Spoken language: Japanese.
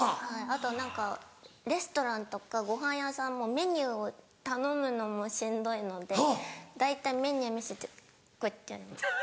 あと何かレストランとかごはん屋さんもメニューを頼むのもしんどいので大体メニュー見せてこうやってやります。